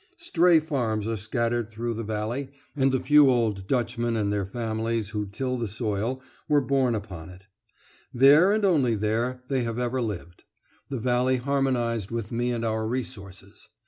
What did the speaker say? Stray farms are scattered through the valley, and the few old Dutchmen and their families who till the soil were born upon it; there and only there they have ever lived. The valley harmonised with me and our resources.